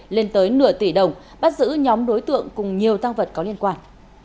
lên tới nửa tỷ đồng bắt giữ nhóm đối tượng cùng nhiều tăng vật có liên quan